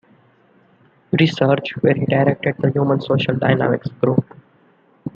Research, where he directed the Human Social Dynamics group.